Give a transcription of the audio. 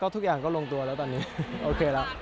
ทุกอย่างก็ลงตัวแล้วตอนนี้โอเคแล้ว